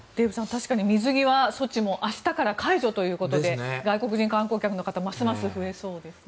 確かに水際措置も明日から解除ということで外国人観光客の方はますます増えそうですね。